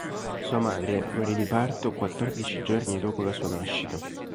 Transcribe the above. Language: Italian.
Sua madre morì di parto quattordici giorni dopo la sua nascita.